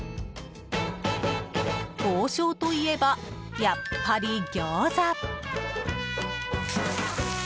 王将といえば、やっぱり餃子。